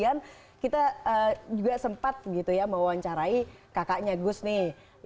karena kita juga sempat gitu ya mewawancarai kakaknya gus nih